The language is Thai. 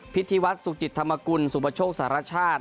พิธีวัฒนสุจิตธรรมกุลสุปโชคสารชาติ